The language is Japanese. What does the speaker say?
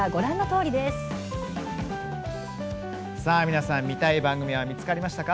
皆さん、見たい番組は見つかりましたか？